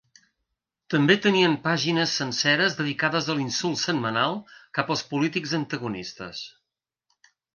També tenien pàgines senceres dedicades a l'insult setmanal cap als polítics antagonistes.